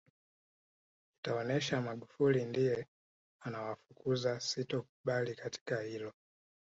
itaonesha Magufuli ndiye anawafukuza sitokubali katika hilo